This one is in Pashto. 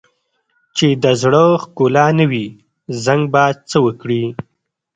چې د زړه ښکلا نه وي، زنګ به څه وکړي؟